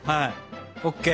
ＯＫ。